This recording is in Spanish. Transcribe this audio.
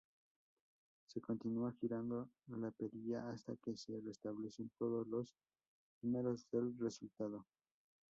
Se continúa girando la perilla hasta que se restablecen todos los números del resultado.